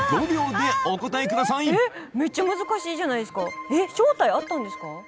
えっめっちゃ難しいじゃないですかえっ正体あったんですか？